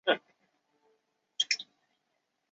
九嶷山相传为舜帝安葬之地。